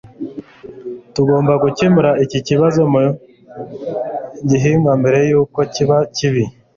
tugomba gukemura iki kibazo mu gihingwa mbere yuko kiba kibi